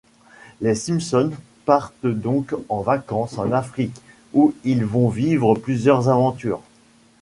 Les Simpson partent donc en vacances en Afrique où ils vont vivre plusieurs aventures.